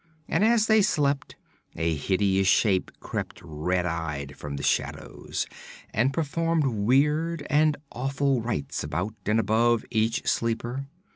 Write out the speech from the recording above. And as they slept, a hideous shape crept red eyed from the shadows and performed weird and awful rites about and above each sleeper.